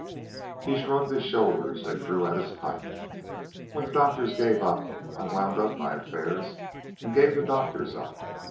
He shrugged his shoulders and drew at his pipe. "When the doctors gave me up, I wound up my affairs and gave the doctors up.